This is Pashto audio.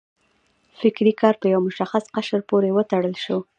فکري کار په یو مشخص قشر پورې وتړل شو.